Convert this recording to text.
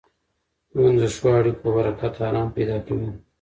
ژوند د ښو اړیکو په برکت ارام پیدا کوي.